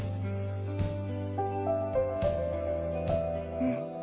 うん。